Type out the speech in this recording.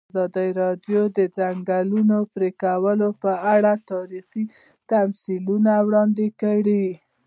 ازادي راډیو د د ځنګلونو پرېکول په اړه تاریخي تمثیلونه وړاندې کړي.